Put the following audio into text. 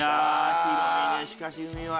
広いねしかし海は。